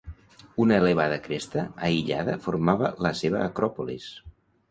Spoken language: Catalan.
Una elevada cresta aïllada formava la seva acròpolis.